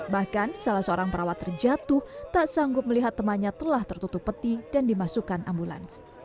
bahkan salah seorang perawat terjatuh tak sanggup melihat temannya telah tertutup peti dan dimasukkan ambulans